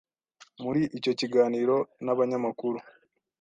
Muri icyo kiganiro n'abanyamakuru